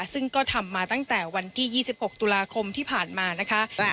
ซึ่งก็ทำมาตั้งแต่วันที่๒๖ตุลาคมที่ผ่านมานะคะ